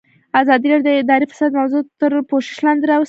ازادي راډیو د اداري فساد موضوع تر پوښښ لاندې راوستې.